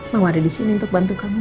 mau ada di sini untuk bantu kamu